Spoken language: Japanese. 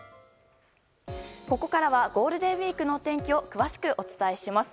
ここからはゴールデンウィークのお天気を詳しくお伝えします。